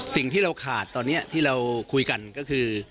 สิ่งที่เราขาดตอนนี้ที่เราคุยกันก็คือ